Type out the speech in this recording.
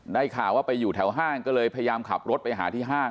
ได้ข่าวว่าไปอยู่แถวห้างก็เลยพยายามขับรถไปหาที่ห้าง